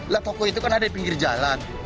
lah toko itu kan ada di pinggir jalan